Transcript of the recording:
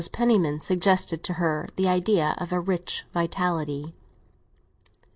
Penniman suggested to her the idea of a rich vitality.